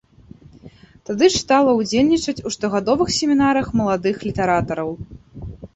Тады ж стала ўдзельнічаць у штогадовых семінарах маладых літаратараў.